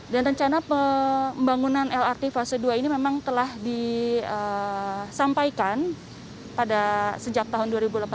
dan rencana pembangunan lrt fase dua ini memang telah disampaikan pada sejak tahun dua ribu delapan belas